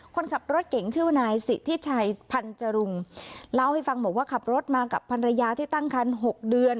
คนขับรถเก่งชื่อว่านายสิทธิชัยพันจรุงเล่าให้ฟังบอกว่าขับรถมากับภรรยาที่ตั้งคัน๖เดือน